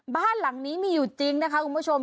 บ้านหลังนี้มีอยู่จริงนะคะคุณผู้ชม